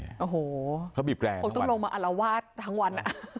โอ้โหต้องลงมาอรวาสทั้งวัน